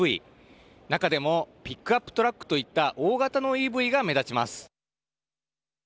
中でもピックアップトラックといった大型のＥＶが目立ちます。